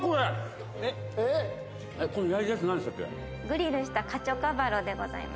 グリルしたカチョカバロでございます。